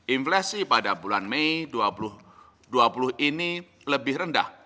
inflasi pada bulan mei dua ribu dua puluh ini lebih rendah